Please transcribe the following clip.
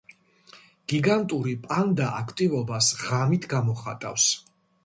გიგანტური პანდა აქტივობას ღამით გამოხატავს.